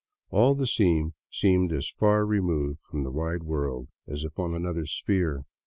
All the scene seemed as far removed from the wide world as if on another sphere.